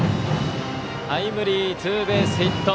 タイムリーツーベースヒット。